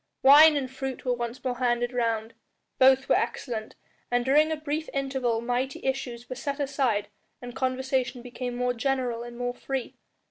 Wine and fruit were once more handed round; both were excellent, and during a brief interval mighty issues were set aside and conversation became more general and more free.